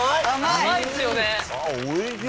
甘いっすよね。